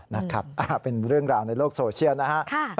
นะครับเป็นเรื่องราวในโลกโซเชียลนะฮะ